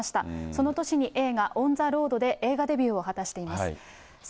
その年に、映画、オン・ザ・ロードで映画デビューを果たしています。